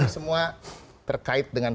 semua terkait dengan